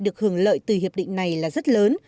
được hưởng lợi từ hiệp định này là rất lớn